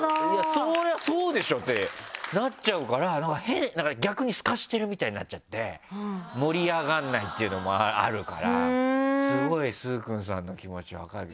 そりゃそうでしょってなっちゃうから逆にスカしてるみたいになっちゃって盛り上がんないっていうのもあるからスゴい崇勲さんの気持ち分かる。